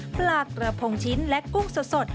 ปลากระพงชิ้นและกุ้งสด